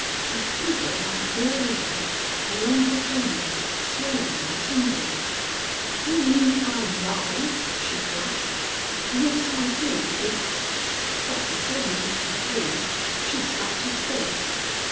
A quiver ran all over her, along her veins, swelling and tingling. "You mean I lie?" she flashed. "Yes, I do if " But before he could conclude she slapped his face.